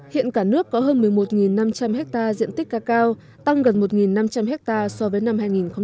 hiện cả nước có hơn một mươi một năm trăm linh hectare diện tích ca cao tăng gần một năm trăm linh hectare so với năm hai nghìn một mươi tám